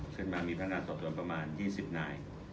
ขึ้นมามีพนักงานสอบสวนประมาณ๒๐นาย